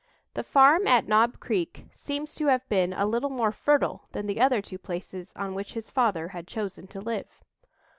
The farm at Knob Creek seems to have been a little more fertile than the other two places on which his father had chosen to live.